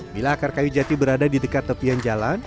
bila akar kayu jati berada di dekat tepian jalan